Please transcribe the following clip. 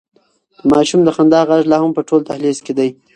د ماشوم د خندا غږ لا هم په ټول دهلېز کې دی.